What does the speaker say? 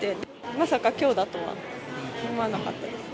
まさかきょうだとは思わなかったです。